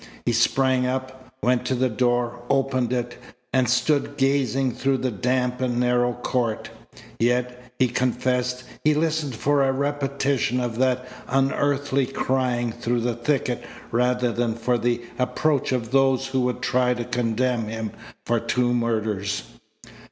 He sprang up, went to the door, opened it, and stood gazing through the damp and narrow court. Yet, he confessed, he listened for a repetition of that unearthly crying through the thicket rather than for the approach of those who would try to condemn him for two murders.